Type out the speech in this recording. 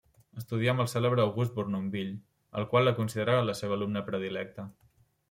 Estudià amb el cèlebre August Bournonville, el qual la considerà la seva alumna predilecta.